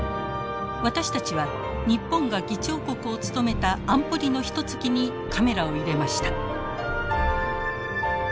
私たちは日本が議長国を務めた安保理のひとつきにカメラを入れました。